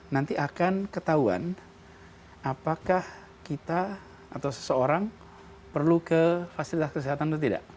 nanti akan ketahuan apakah kita atau seseorang perlu ke fasilitas kesehatan atau tidak